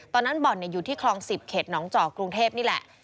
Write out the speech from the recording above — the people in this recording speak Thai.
บ่อนอยู่ที่คลอง๑๐เขตหนองจอกกรุงเทพนี่แหละ